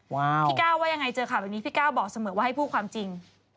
พี่ก้าวว่ายังไงเจอข่าวแบบนี้พี่ก้าวบอกเสมอว่าให้พูดความจริง